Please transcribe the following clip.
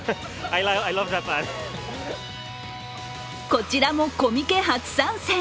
こちらもコミケ初参戦